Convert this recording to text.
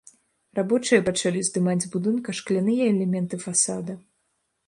Рабочыя пачалі здымаць з будынка шкляныя элементы фасада.